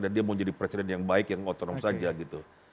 dan dia mau jadi presiden yang baik yang otonom saja gitu